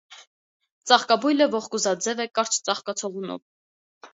Ծաղկաբույլը ողկուզաձև է կարճ ծաղկացողունով։